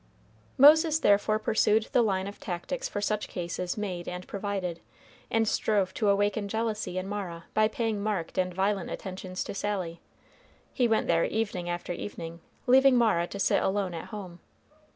Moses therefore pursued the line of tactics for such cases made and provided, and strove to awaken jealousy in Mara by paying marked and violent attentions to Sally. He went there evening after evening, leaving Mara to sit alone at home.